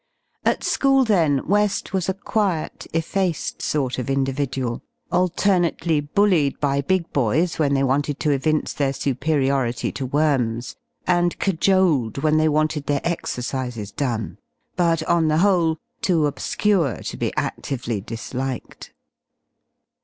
5^ . At school y theny Weft was a quiet y effaced sort of individual y ix alternately bullied by big boys when they wanted to evince their superiority to ''worms^' and cajoled when they wanted their exercises done ybut on the ivhole too obscure to beadively disliked.